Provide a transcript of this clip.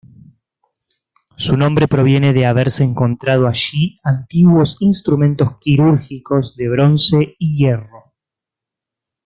Su nombre proviene de haberse encontrado allí antiguos instrumentos quirúrgicos de bronce y hierro.